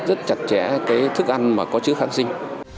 rất chặt chẽ thức ăn có chữ kháng sinh